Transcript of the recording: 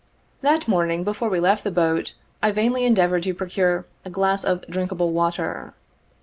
That morning before we left the boat, I vainly endeavored to procure a glass of drinkable water.